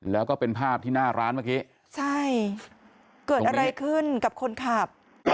แล้วก็เป็นภาพที่หน้าร้านเมื่อกี้ใช่เกิดอะไรขึ้นกับคนขับ